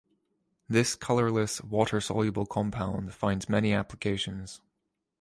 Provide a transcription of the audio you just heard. This colorless, water-soluble compound finds many applications.